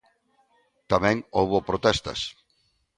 Tamén houbo protestas.